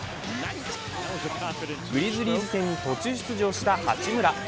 グリズリーズ戦に途中出場した八村。